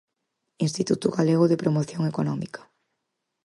Instituto Galego de Promoción Económica.